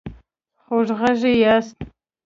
خوږغږي ياست